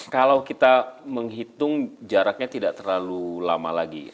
kalau kita menghitung jaraknya tidak terlalu lama lagi